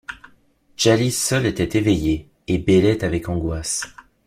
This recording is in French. Djali seule était éveillée, et bêlait avec angoisse.